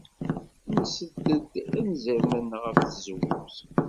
Nessed-d anzaren-nneɣ ɣef tzewwut.